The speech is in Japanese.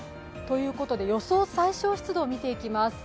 予想最小湿度を見ていきます。